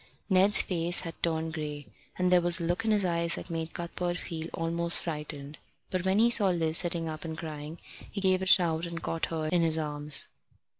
Ned's face had turned grey, and there was a look in his eyes that made Cuthbert feel almost frightened. But when he saw Liz sitting up and crying he gave a shout and caught her in his arms.